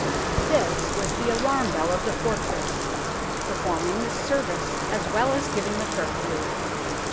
This was the alarm bell of the fortress, performing this service as well as giving the curfew.